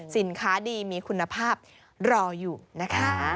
สินค้าดีมีคุณภาพรออยู่นะคะ